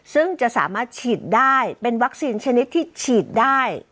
ซึ่งจะสามารถฉีดได้เป็นวัคซีนชนิดที่ฉีดได้